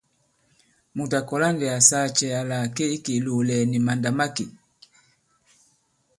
Mùt à kɔ̀la ndī à saa cɛ àla à ke i ikè ìlòòlɛ̀gɛ̀ nì màndà̂makè ?